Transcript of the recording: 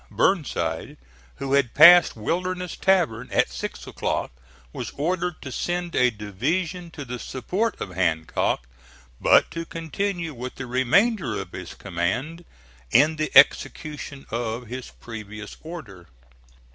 Burnside, who had passed Wilderness Tavern at six o'clock, was ordered to send a division to the support of Hancock, but to continue with the remainder of his command in the execution of his previous order.